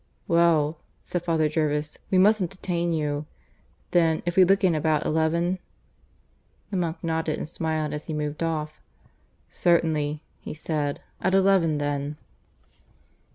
"Well," said Father Jervis, "we mustn't detain you. Then, if we look in about eleven?" The monk nodded and smiled as he moved off. "Certainly," he said. "At eleven then."